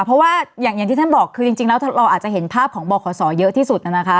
เพราะว่าอย่างที่ท่านบอกคือจริงแล้วเราอาจจะเห็นภาพของบขเยอะที่สุดนะคะ